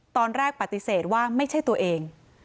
ตอนแรกปฏิเสธว่าไม่ใช่ตัวเอง